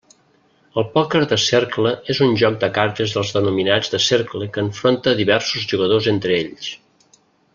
El pòquer de cercle és un joc de cartes dels denominats de cercle que enfronta diversos jugadors entre ells.